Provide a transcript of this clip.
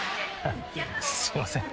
すいません。